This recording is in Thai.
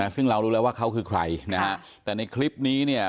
ซึ่งเรารู้แล้วว่าเขาคือใครนะฮะแต่ในคลิปนี้เนี่ย